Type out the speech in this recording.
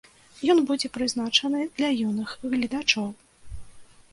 Ён будзе прызначаны для юных гледачоў.